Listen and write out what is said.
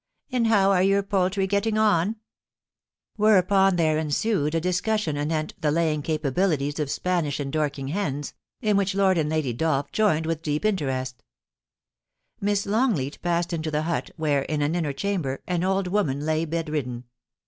* And how are your poultry getting on ?' Whereupon there ensued a discussion anent the laying capabilities of Spanish and Dorking hens, in which Lord and I^dy Dolph joined with deep interest Miss Longleat passed into the hut, where, in an inner chamber, an old woman lay bedridden.